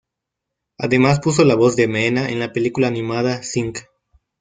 Además puso la voz a Meena en la película animada "Sing".